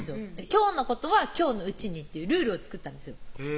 今日のことは今日のうちにっていうルールを作ったんですよ